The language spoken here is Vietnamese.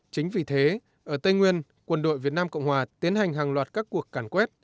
chính vì thế ở tây nguyên quân đội việt nam cộng hòa tiến hành hàng loạt các cuộc cản quét